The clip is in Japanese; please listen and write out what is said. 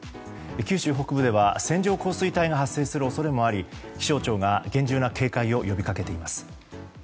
九州北部では線状降水帯が発生する恐れがあり気象庁が厳重な警戒を呼び掛けています。